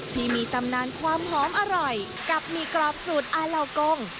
ที่มีตำนานความหอมอร่อยกับหมี่กรอบสูตรอาเหล่ากง